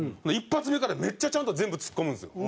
１発目からめっちゃちゃんと全部ツッコむんですよ。